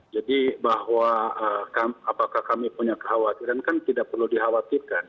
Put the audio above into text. jadi bahwa apakah kami punya kekhawatiran kan tidak perlu dikhawatirkan